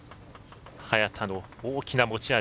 早田の大きな持ち味。